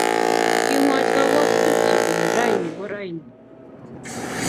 Kimwoch kabwatutikchi kole raini ko raini